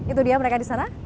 itu dia mereka di sana